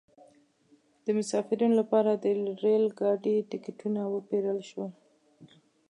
د مسافرینو لپاره د ریل ګاډي ټکټونه وپیرل شول.